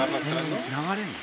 流れるの？